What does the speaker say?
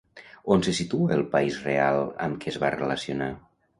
On se situa el país real amb què es va relacionar?